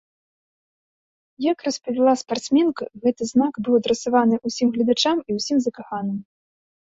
Як распавяла спартсменка, гэты знак быў адрасаваны ўсім гледачам і ўсім закаханым.